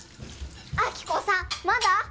亜希子さんまだ？